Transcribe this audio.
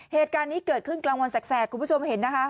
เหตุการณ์นี้เกิดขึ้นกลางวันแสกคุณผู้ชมเห็นนะคะ